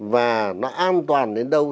và nó an toàn đến đâu